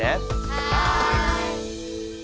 はい。